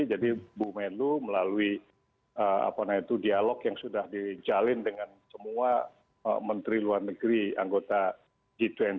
jadi bumenlu melalui dialog yang sudah dijalin dengan semua menteri luar negeri anggota g dua puluh